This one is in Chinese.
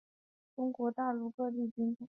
中国大陆各地均产。